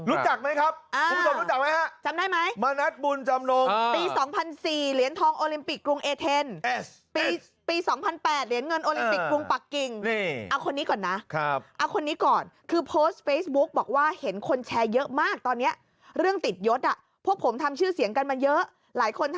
รู้จักไหมครับอ่าคุณผู้ชมรู้จักไหมฮะจำได้ไหมมนัดบุญจำนงค์